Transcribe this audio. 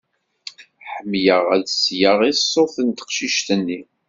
Ḥemmleɣ ad sleɣ i ṣṣut n teqcict-nni.